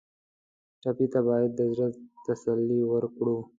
ټپي ته باید د زړه تسل ورکړو.